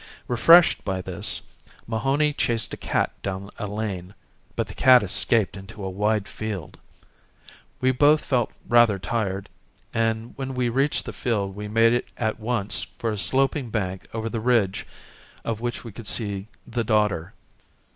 Refreshed by this, Mahony chased a cat down a lane, but the cat escaped into a wide field. We both felt rather tired and when we reached the field we made at once for a sloping bank over the ridge of which we could see the Dodder.